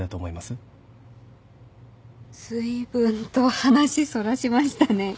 ずいぶんと話そらしましたね。